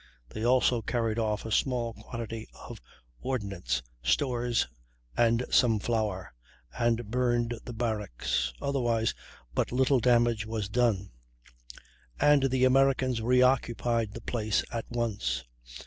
They also carried off a small quantity of ordnance stores and some flour, and burned the barracks; otherwise but little damage was done, and the Americans reoccupied the place at once.